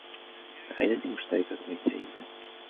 عائلتي مشتركة في جريدة.